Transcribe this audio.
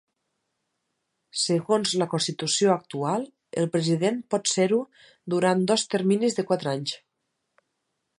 Segons la Constitució actual, el President pot ser-ho durant dos terminis de quatre anys.